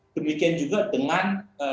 demikian juga dengan dua ribu empat